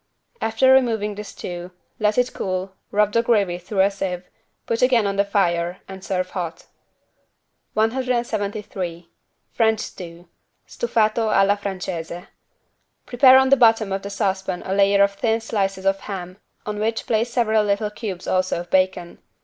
After removing the stew, let it cool, rub the gravy through a sieve, put again on the fire and serve hot. 173 FRENCH STEW (Stufato alla francese) Prepare on the bottom of the saucepan a layer of thin slices of ham, on which place several little cubes also of bacon.